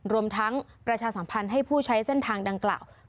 รวมทั้งประชาสัมพันธ์ให้ผู้ใช้เส้นทางดังกล่าว